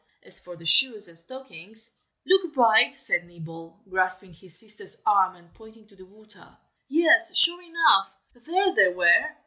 As for the shoes and stockings "Look, Bright!" said Nibble, grasping his sister's arm, and pointing to the water. Yes, sure enough, there they were.